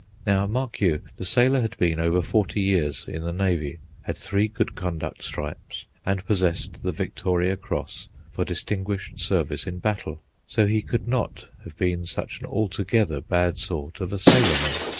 Now, mark you, the sailor had been over forty years in the navy, had three good conduct stripes, and possessed the Victoria Cross for distinguished service in battle; so he could not have been such an altogether bad sort of a sailorman.